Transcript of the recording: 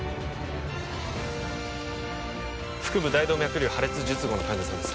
腹部大動脈瘤破裂術後の患者さんです